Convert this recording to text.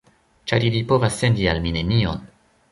Ĉar ili povas sendi al mi nenion.